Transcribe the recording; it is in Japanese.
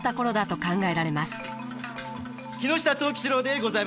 木下藤吉郎でございます。